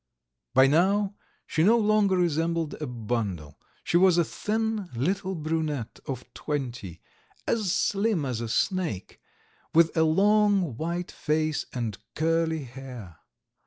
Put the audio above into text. By now she no longer resembled a bundle: she was a thin little brunette of twenty, as slim as a snake, with a long white face and curly hair.